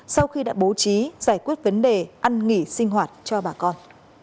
sau khi đã bố trí giải quyết vấn đề ăn nghỉ sinh hoạt cho bà con